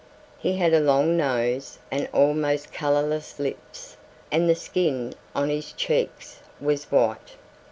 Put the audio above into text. He had a long nose and almost colorless lips and the skin on his cheeks was white.